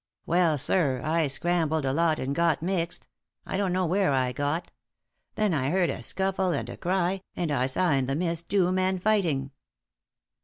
Well, sir, I scrambled a lot, and got mixed I don't know where I got. Then I heard a scuffle and a cry, and saw in the mist two men fighting."